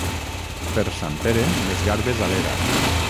Per sant Pere, les garbes a l'era.